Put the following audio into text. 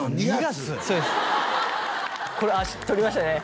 これ撮りましたね